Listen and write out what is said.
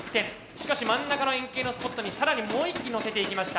しかし真ん中の円形のスポットに更にもう一機のせていきました。